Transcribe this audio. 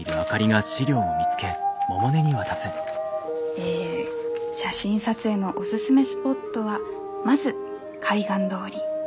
え写真撮影のおすすめスポットはまず海岸通り。